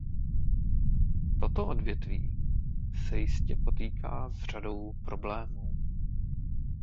Toto odvětví se jistě potýká s řadou problémů.